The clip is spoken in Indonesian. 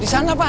di mana pak